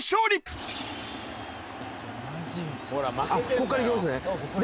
ここからいけますね。